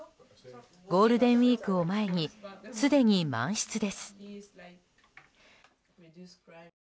ゴールデンウィークを前にすでに満室です。